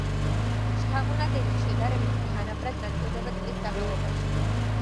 ჩამონადენი შედარებით თანაბრად ნაწილდება წლის განმავლობაში.